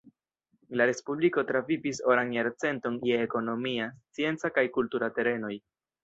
La respubliko travivis oran jarcenton je ekonomia, scienca kaj kultura terenoj.